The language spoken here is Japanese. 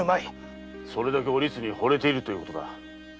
それだけお律に惚れているということだ。